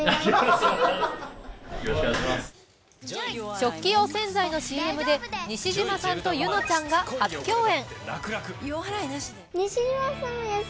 食器用洗剤のＣＭで西島さんと柚乃ちゃんが初共演。